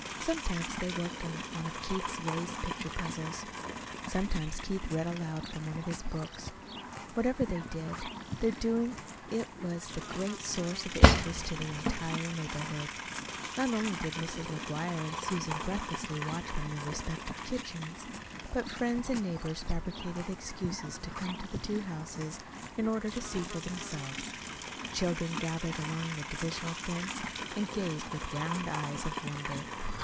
Sometimes they worked on one of Keith's raised picture puzzles. Sometimes Keith read aloud from one of his books. Whatever they did, their doing it was the source of great interest to the entire neighborhood. Not only did Mrs. McGuire and Susan breathlessly watch from their respective kitchens, but friends and neighbors fabricated excuses to come to the two houses in order to see for themselves; and children gathered along the divisional fence and gazed with round eyes of wonder.